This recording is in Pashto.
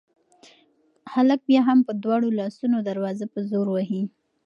هلک بیا هم په دواړو لاسونو دروازه په زور وهي.